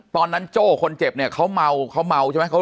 ตอนนั้นโจคนเจ็บเนี่ยเขาเมาเขาเมาใช่ไหม